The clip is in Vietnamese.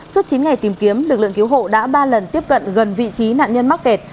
suốt chín ngày tìm kiếm lực lượng cứu hộ đã ba lần tiếp cận gần vị trí nạn nhân mắc kẹt